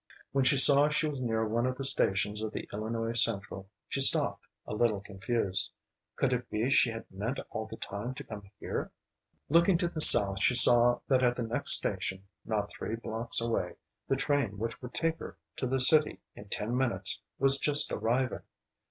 When she saw she was near one of the stations of the Illinois Central she stopped, a little confused. Could it be she had meant all the time to come here? Looking to the south, she saw that at the next station, not three blocks away, the train which would take her to the city in ten minutes was just arriving.